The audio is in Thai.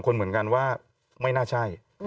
คนเหมือนกันว่าไม่น่าใช่